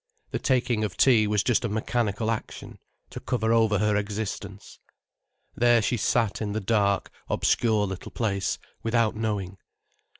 The taking of tea was just a mechanical action, to cover over her existence. There she sat in the dark, obscure little place, without knowing.